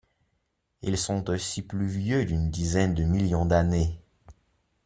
Ils sont aussi plus vieux d'une dizaine de millions d'années.